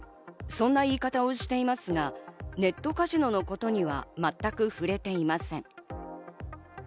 そんな言い方をしていますが、ネットカジノのことには全く触れていません。